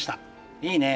いいね。